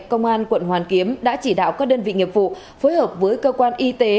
công an quận hoàn kiếm đã chỉ đạo các đơn vị nghiệp vụ phối hợp với cơ quan y tế